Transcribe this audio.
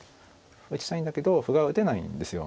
打ちたいんだけど歩が打てないんですよ